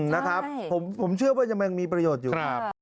ใช่ผมเชื่อว่ามันยังมีประโยชน์อยู่